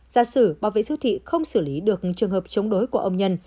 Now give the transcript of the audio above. gia sử bảo vệ siêu thị không xử lý được trường hợp chống đối của ông nhân